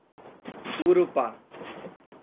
Urupá